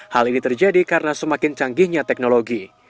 hal ini terjadi karena semakin canggihnya teknologi